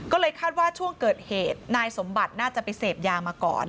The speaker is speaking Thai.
ก็เลยคาดว่าช่วงเกิดเหตุนายสมบัติน่าจะไปเสพยามาก่อน